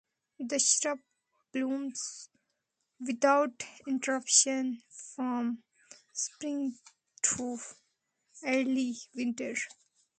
The shrub blooms without interruption from spring through early winter.